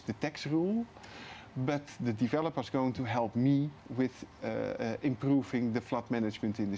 tetapi pembangunan akan membantu saya dengan memperbaiki pengurusan tanah di kota